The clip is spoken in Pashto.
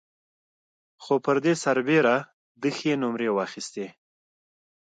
خو پر دې سربېره ده ښې نومرې واخيستې.